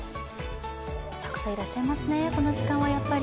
たくさんいらっしゃいますね、この時間はやっぱり。